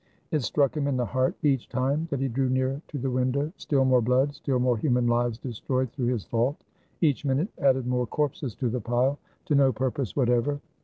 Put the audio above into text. It struck him in the heart each time that he drew near to the window. Still more blood, still more human lives destroyed through his fault! Each minute added more corpses to the pile, to no purpose whatever.